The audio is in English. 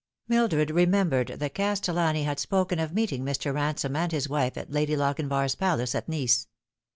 Mildred remembered that Castellani had spoken of meeting Mr. Ransome and his wife at Lady Lochinvar's palace at Nice.